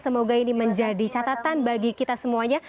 semoga ini menjadi catatan bagi kita semuanya